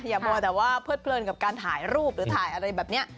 อย่าเพิดเพลินกับการถ่ายรูปหรือถ่ายอะไรแบบนี้